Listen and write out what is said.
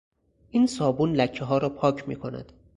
این صابون لکهها را پاک میکند.